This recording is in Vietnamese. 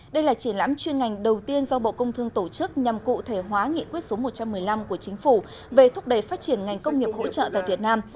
đây là triển lãm chuyên ngành đầu tiên do bộ công thương tổ chức nhằm cụ thể hóa nghị quyết số một trăm một mươi năm của chính phủ về thúc đẩy phát triển ngành công nghiệp hỗ trợ tại việt nam